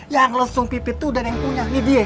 yang resung pipi tuh udah neng punya